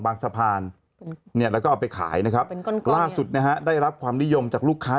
สะพานเนี่ยแล้วก็เอาไปขายนะครับล่าสุดนะฮะได้รับความนิยมจากลูกค้า